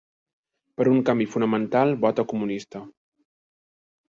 Per un canvi fonamental, vota comunista.